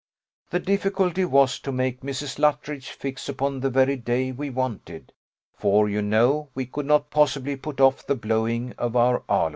The difficulty was to make Mrs. Luttridge fix upon the very day we wanted; for you know we could not possibly put off the blowing of our aloe.